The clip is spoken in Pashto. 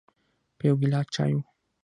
په یو ګیلاس چایو